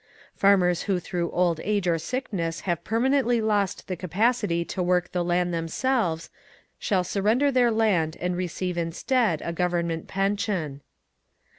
Farmers who through old age or sickness have permanently lost the capacity to work the land themselves, shall surrender their land and receive instead a Government pension.